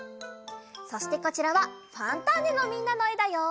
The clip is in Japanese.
そしてこちらは「ファンターネ！」のみんなのえだよ！